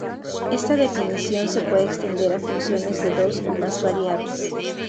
Esta definición se puede extender a funciones de dos o más variables.